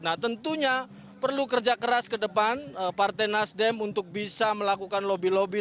nah tentunya perlu kerja keras ke depan partai nasdem untuk bisa melakukan lobby lobby